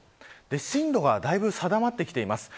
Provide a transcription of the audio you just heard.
進路がだいぶ定まってきています。